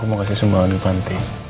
aku mau kasih sumbangan ke panti